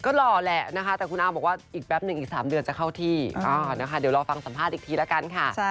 ก็หล่อแหละนะคะแต่คุณอามบอกว่าอีกแป๊บหนึ่งอีก๓เดือนจะเข้าที่นะคะเดี๋ยวรอฟังสัมภาษณ์อีกทีละกันค่ะ